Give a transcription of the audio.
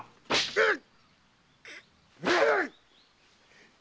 うっ！